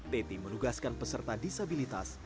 tety menugaskan peserta disabilitas